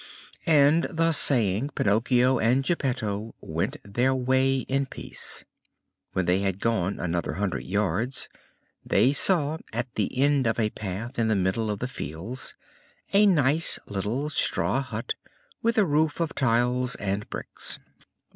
And, thus saying, Pinocchio and Geppetto went their way in peace. When they had gone another hundred yards they saw, at the end of a path in the middle of the fields, a nice little straw hut with a roof of tiles and bricks.